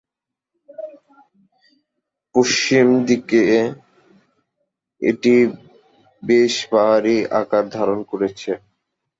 পশ্চিম দিকে এটি বেশ পাহাড়ি আকার ধারণ করেছে।